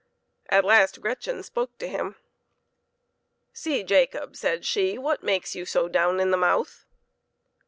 At last Gretchen spoke to him. " See, Jacob," said she, " what makes you so down in the mouth?"